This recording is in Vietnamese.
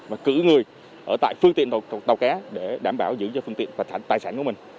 và cử người ở tại phương tiện tàu cá để đảm bảo giữ cho phương tiện và tài sản của mình